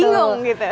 bingung gitu ya